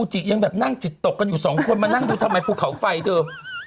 เหรอเดี๋ยวไปทำหน้ามาเหรอ